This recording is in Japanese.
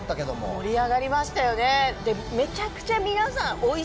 盛り上がりましたよね。